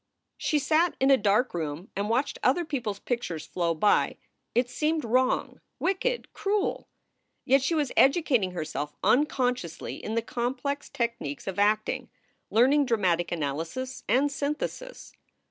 She sat in a dark room and watched other people s pic tures flow by. It seemed wrong, wicked, cruel. Yet she was educating herself unconsciously in the com plex technics of acting, learning dramatic analysis and synthesis.